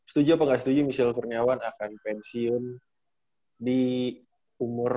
setuju apa enggak setuju michelle kurniawan akan pensiun di umur tiga puluh